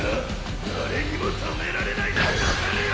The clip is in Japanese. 誰にも止められないでござるよ！